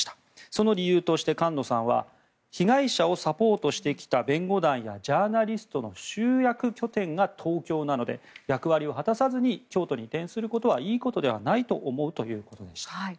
その理由として菅野さんは被害者をサポートしてきた弁護団やジャーナリストの集約拠点が東京なので役割を果たさずに京都に移転することはいいことではないと思うということでした。